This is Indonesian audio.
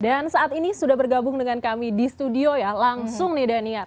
dan saat ini sudah bergabung dengan kami di studio ya langsung nih daniar